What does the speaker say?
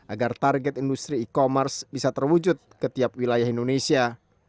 agar target industri e commerce bisa terwujud ke tiap wilayah indonesia